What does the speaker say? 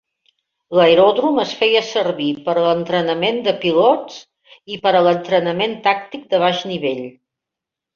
L'aeròdrom es feia servir per a l'entrenament de pilots i per a l'entrenament tàctic de baix nivell.